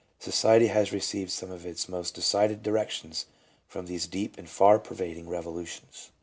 " Society has received some of its most decided directions from these deep and far pervading revolutions."